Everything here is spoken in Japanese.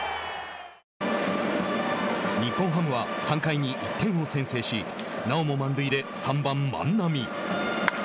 日本ハムは３回に１点を先制しなおも満塁で３番、万波。